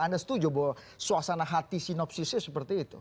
anda setuju bahwa suasana hati sinopsisnya seperti itu